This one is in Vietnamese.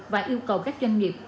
và yêu cầu các doanh nghiệp